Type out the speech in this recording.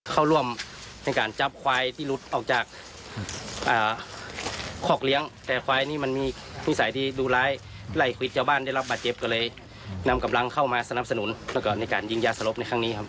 เข้าร่วมในการจับควายที่หลุดออกจากคอกเลี้ยงแต่ควายนี่มันมีพิสัยที่ดูร้ายไล่ควิดชาวบ้านได้รับบาดเจ็บก็เลยนำกำลังเข้ามาสนับสนุนแล้วก็ในการยิงยาสลบในครั้งนี้ครับ